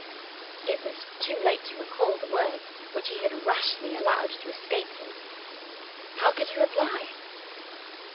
It was too late to recall the words which he had rashly allowed to escape him. How could he reply?